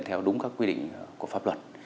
theo đúng các quy định của pháp luật